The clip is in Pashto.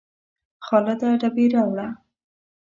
خالده ډبې راوړه